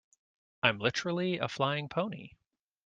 I'm literally a flying pony.